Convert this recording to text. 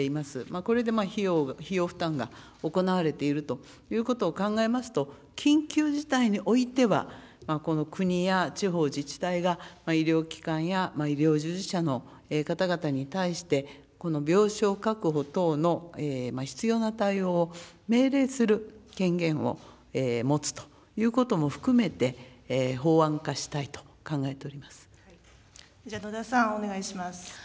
これで費用負担が行われているということを考えますと、緊急事態においては、この国や地方自治体が、医療機関や医療従事者の方々に対して、病床確保等の必要な対応を命令する権限を持つということも含めて、じゃあ、野田さん、お願いします。